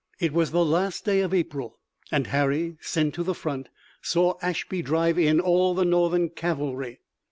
It was the last day of April and Harry, sent to the front, saw Ashby drive in all the Northern cavalry.